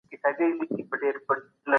قرباني کول سنت دی.